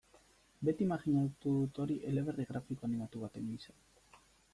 Beti imajinatu dut hori eleberri grafiko animatu baten gisa.